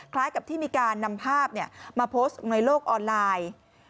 คล้ายกับที่มีการนำภาพมาโพสต์ในโลกออนไลน์